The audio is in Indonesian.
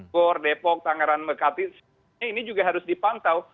bor depok tangerang mekat ini juga harus dipantau